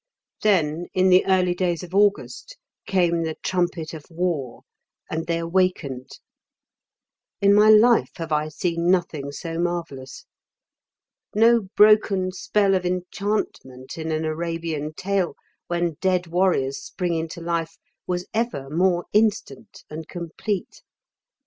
Then, in the early days of August, came the Trumpet of War, and they awakened. In my life have I seen nothing so marvellous. No broken spell of enchantment in an Arabian tale when dead warriors spring into life was ever more instant and complete.